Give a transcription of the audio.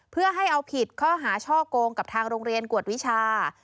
เพื่อให้เอาผิดข้อหาช่อกงกับทางโรงเรียนกวดวิชา